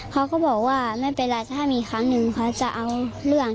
เขาก็บอกว่าไม่เป็นไรถ้ามีครั้งหนึ่งเขาจะเอาเรื่อง